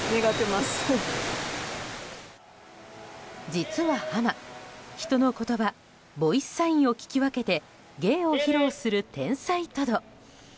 実はハマ、人の言葉ボイスサインを聞き分けて芸を披露する天才トド。